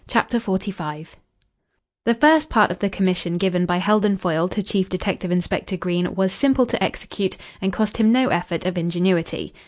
CHAPTER XLV The first part of the commission given by Heldon Foyle to Chief Detective Inspector Green was simple to execute and cost him no effort of ingenuity.